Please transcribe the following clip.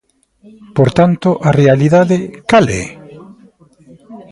Por tanto, a realidade ¿cal é?